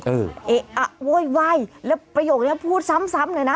เอ๊ะอะโว้ยไหวแล้วประโยคนี้พูดซ้ำเลยนะ